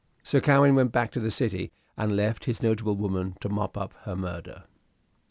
So Cowen went back to the City, and left this notable woman to mop up her murder.